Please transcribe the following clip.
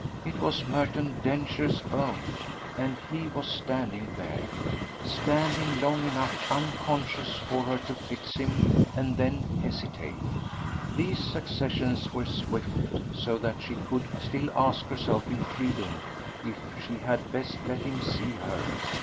It was Merton Densher's own, and he was standing there, standing long enough unconscious for her to fix him and then hesitate. These successions were swift, so that she could still ask herself in freedom if she had best let him see her.